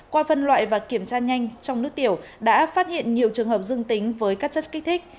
qua phân loại và kiểm tra nhanh trong nước tiểu đã phát hiện nhiều trường hợp dương tính với các chất kích thích